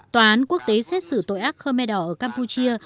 tòa án quốc tế xét xử tội ác khmer đỏ ở campuchia